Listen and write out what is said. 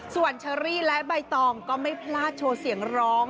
ส่วนเชอรี่และใบตองก็ไม่พลาดโชว์เสียงร้อง